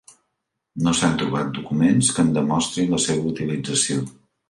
No s'han trobat documents que en demostrin la seva utilització.